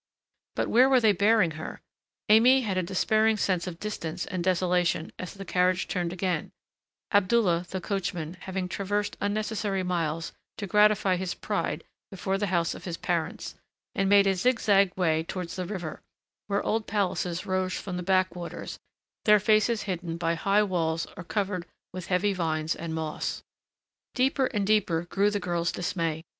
But where were they bearing her? Aimée had a despairing sense of distance and desolation as the carriage turned again Abdullah, the coachman, having traversed unnecessary miles to gratify his pride before the house of his parents and made a zigzag way towards the river, where old palaces rose from the backwaters, their faces hidden by high walls or covered with heavy vines and moss. Deeper and deeper grew the girl's dismay.